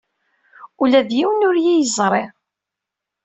Ula d yiwen ur iyi-yeẓri.